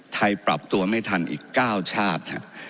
ปรับตัวไม่ทันอีก๙ชาติ